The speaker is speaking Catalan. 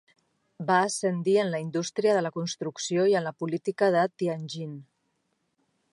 Va ascendir en la indústria de la construcció i en la política de Tianjin.